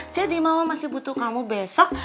jadi mama masih butuh kamu besok